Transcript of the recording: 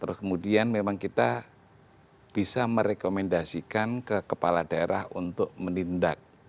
terus kemudian memang kita bisa merekomendasikan ke kepala daerah untuk menindak